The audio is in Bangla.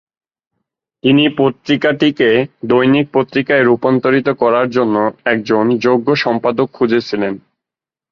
তিনি পত্রিকাটিকে দৈনিক পত্রিকায় রূপান্তরিত করার জন্য একজন যোগ্য সম্পাদক খুঁজছিলেন।